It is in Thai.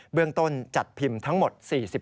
เรื่องต้นจัดพิมพ์ทั้งหมด๔๕